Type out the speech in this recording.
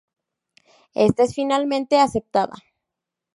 Esta es finalmente aceptada.